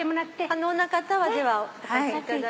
可能な方はお立ちいただいて。